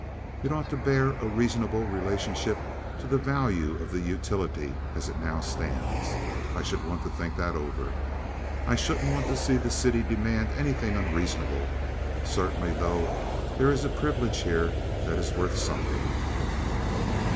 It ought to bear a reasonable relationship to the value of the utility as it now stands. I should want to think that over. I shouldn't want to see the city demand anything unreasonable. Certainly, though, there is a privilege here that is worth something."